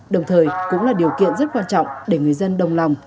đồng thời cũng là điều kiện rất quan trọng để người dân đồng lòng